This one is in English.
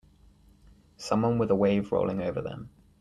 Someone with a wave rolling over them.